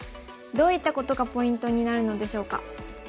どういったことがポイントになるのでしょうか。